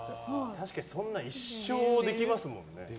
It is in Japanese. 確かに、そんなの一生できますもんね。